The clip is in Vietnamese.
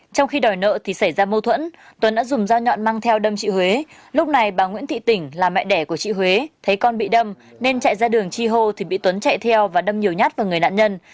trong khi đòi nợ thì xảy ra mâu thuẫn tuấn đã dùng dao nhọn mang theo đâm chị huế lúc này bà nguyễn thị tỉnh là mẹ đẻ của chị huế thấy con bị đâm nên chạy ra đường chi hô thì bị tuấn chạy theo và đâm nhiều nhát vào người nạn nhân